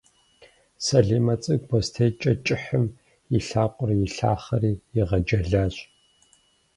Салимэ цӏыкӏу бостеикӏэ кӏыхьым и лъакъуэр илъахъэри игъэджэлащ.